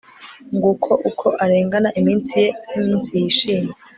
Nguko uko urengana iminsi ye nkiminsi yishimye